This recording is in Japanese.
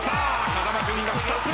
風間君が２つ。